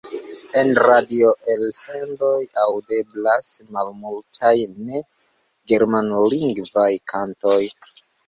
En radioelsendoj aŭdeblas malmultaj ne-germanlingvaj kantoj.